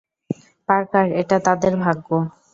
Parker, এটা তাদের ভাগ্য।